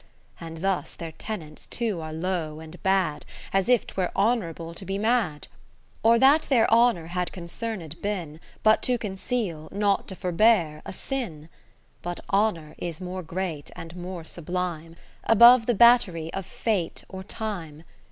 And thus their Tenents^ too are low and bad. As if 'twere honourable to be mad : Or that their Honour had concerned been 21 But to conceal, not to forbear, a sin. But Honour is more great and more sublime. Above the battery of Fate or Time.